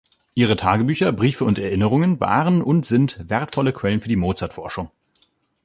Ihre Tagebücher, Briefe und Erinnerungen waren und sind wertvolle Quellen für die Mozart-Forschung.